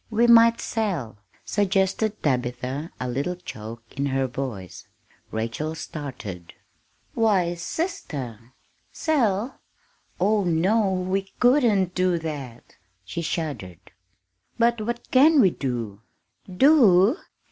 "We might sell," suggested Tabitha, a little choke in her voice. Rachel started. "Why, sister! sell? Oh, no, we couldn't do that!" she shuddered. "But what can we do?" "Do?